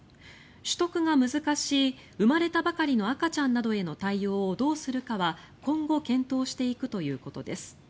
取得が難しい、生まれたばかりの赤ちゃんなどへの対応をどうするかは今後検討していくということです。